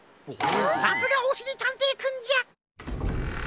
さすがおしりたんていくんじゃ！